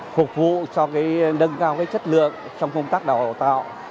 phục vụ cho nâng cao chất lượng trong công tác đào tạo